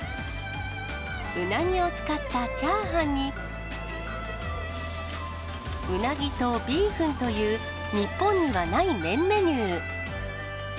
うなぎを使ったチャーハンに、うなぎとビーフンという、日本にはない麺メニュー。